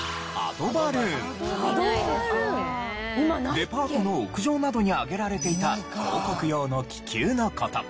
デパートの屋上などに揚げられていた広告用の気球の事。